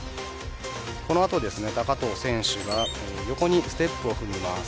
この後、高藤選手が横にステップを踏みます。